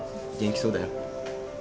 元気そうだよ。